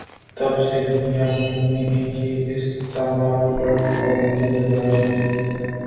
تب سے دنیا بھر میں ان کے استعمال پر پابندی لگائی جاچکی ہے